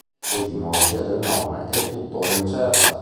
L’etimologia del nome è tuttora incerta.